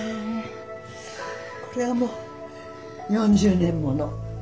これはもう４０年物。